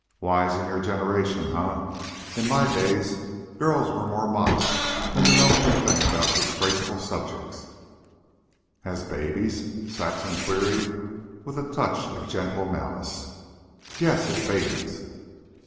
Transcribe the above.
"Wise in your generation, eh? In my days girls were more modest than to know anything about disgraceful subjects." "As babies?" Saxon queried, with a touch of gentle malice. "Yes, as babies."